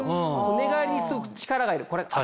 寝返りにすごく力がいる。